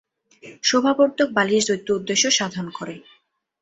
শোভাবর্ধক বালিশ দ্বৈত উদ্দেশ্য সাধন করে।